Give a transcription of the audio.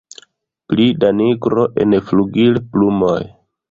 Pli da nigro en flugilplumoj.